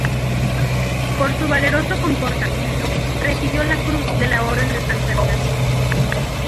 Por su valeroso comportamiento, recibió la cruz de la Orden de San Fernando.